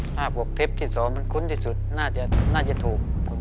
ภาพ๖เทปที่๒มันคุ้นที่สุดน่าจะถูก